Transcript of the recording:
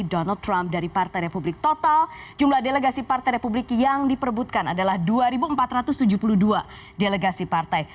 donald trump dari partai republik total jumlah delegasi partai republik yang diperbutkan adalah dua empat ratus tujuh puluh dua delegasi partai